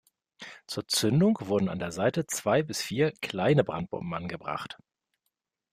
Zur Zündung wurden an der Seite zwei bis vier kleine Brandbomben angebracht.